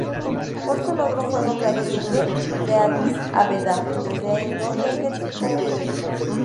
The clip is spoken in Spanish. Por su logro fue nombrado duque de Adís Abeba, desde donde ejerció como Virrey.